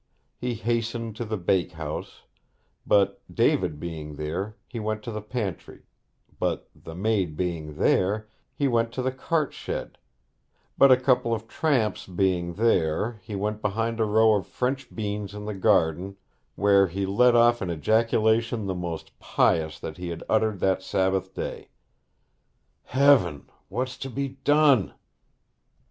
He hastened to the bakehouse; but David being there, he went to the pantry; but the maid being there, he went to the cart shed; but a couple of tramps being there, he went behind a row of French beans in the garden, where he let off an ejaculation the most pious that he had uttered that Sabbath day: 'Heaven! what's to be done!'